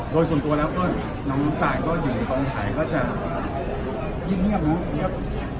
โดยส่วนตัวแล้วก็น้องน้องต่างก็อยู่ตอนถ่ายก็จะเยี่ยมเยี่ยมเยี่ยม